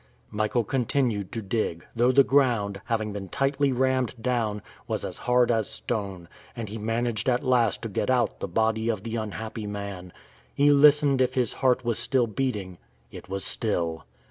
Michael continued to dig, though the ground, having been tightly rammed down, was as hard as stone, and he managed at last to get out the body of the unhappy man. He listened if his heart was still beating.... It was still!